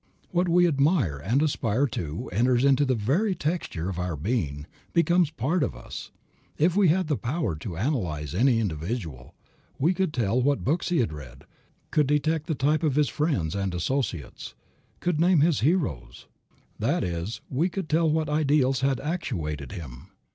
What we admire and aspire to enters into the very texture of our being, becomes a part of us. If we had the power to analyze any individual, we could tell what books he had read, could detect the type of his friends and associates, and could name his heroes; that is, we could tell what ideals had actuated him.